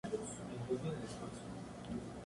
Anotó un gol en la final ante Club Sport Emelec.